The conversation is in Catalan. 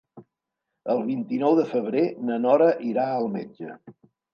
El vint-i-nou de febrer na Nora irà al metge.